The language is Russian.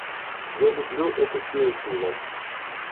Я люблю эту деятельность.